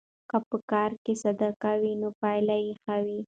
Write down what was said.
که په کار کې صداقت وي نو پایله یې ښه وي.